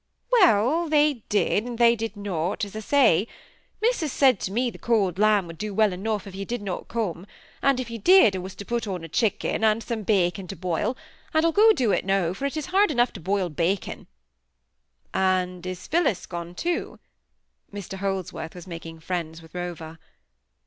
"Well, they did, and they did not, as I may say. Missus said to me the cold lamb would do well enough if you did not come; and if you did I was to put on a chicken and some bacon to boil; and I'll go do it now, for it is hard to boil bacon enough." "And is Phillis gone, too?" Mr Holdsworth was making friends with Rover.